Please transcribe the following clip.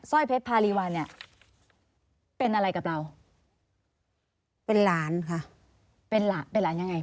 ร้อยเพชรพารีวัลเนี่ยเป็นอะไรกับเราเป็นหลานค่ะเป็นหลานเป็นหลานยังไง